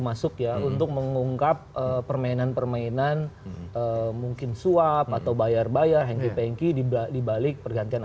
dirajikan lebih enak kami akan sudah kembali saja